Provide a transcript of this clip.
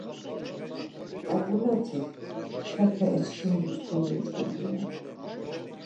Oǩuleti xepe eçkindus kogyoç̌ǩu doren.